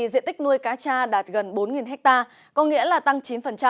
diện tích nuôi cá tra đạt gần bốn ha có nghĩa là tăng chín